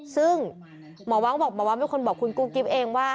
ซึ่งหมอว้างบอกหมอว้างเป็นคนบอกคุณกุ๊กกิ๊บเองว่า